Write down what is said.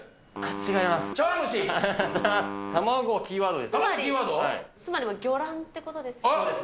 違います。